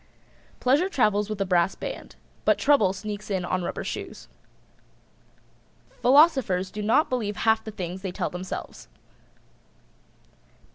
Pleasure travels with a brass band, but Trouble sneaks in on rubber shoes. Philosophers do not believe half the things they tell themselves.